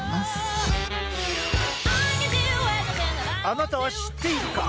あなたは知っているか？